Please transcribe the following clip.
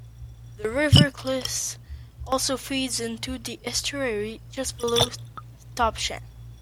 The River Clyst also feeds into the estuary, just below Topsham.